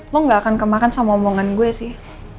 gue gak akan kemakan sama omongan gue sih